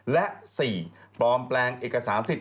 และ๔ปลอมแปลงเอกสารสิทธิ